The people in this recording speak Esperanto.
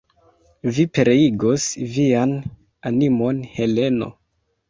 Vi pereigos vian animon, Heleno!